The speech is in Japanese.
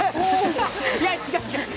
いや、違う違う。